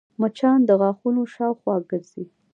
مچان د غاښونو شاوخوا ګرځي